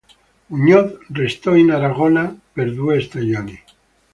Muñoz restò in Aragona per due stagioni.